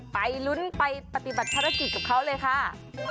ไปลุ้นไปปฏิบัติภารกิจกับเขาเลยค่ะ